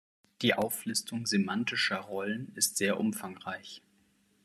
Die Auflistung semantischer Rollen ist sehr umfangreich.